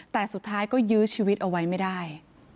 แต่สุดท้ายก็ยื้อชีวิตเอาไว้ไม่ได้